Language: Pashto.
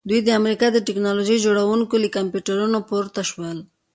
دوی د امریکا د ټیکنالوژۍ جوړونکي له کمپیوټرونو پورته شول